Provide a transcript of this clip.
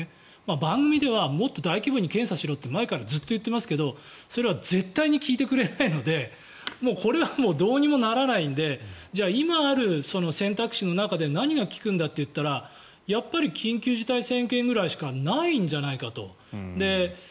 番組ではもっと大規模に検査しろって前からずっと言っていますけどそれは絶対に聞いてくれないのでこれはもうどうにもならないので今ある選択肢の中で何が効くんだといったらやっぱり緊急事態宣言ぐらいしかないんじゃないかと。